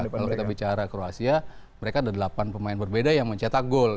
kalau kita bicara kroasia mereka ada delapan pemain berbeda yang mencetak gol